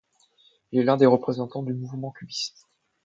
Il est l'un des représentants du mouvement cubiste.